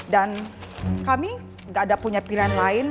dan kami gak ada punya pilihan lain